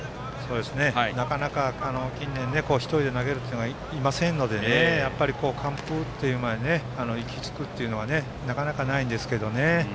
なかなか近年１人で投げるピッチャーがいませんので、完封にまで行き着くというのはなかなかないんですけどね。